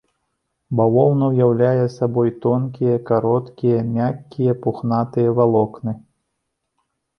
Бавоўна ўяўляе сабой тонкія, кароткія, мяккія пухнатыя валокны.